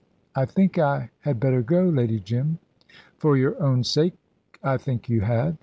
"I think I had better go, Lady Jim." "For your own sake, I think you had.